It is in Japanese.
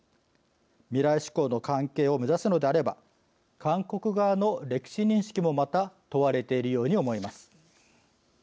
未来志向の関係を目指すのであれば韓国側の歴史認識もまた問われているように思います。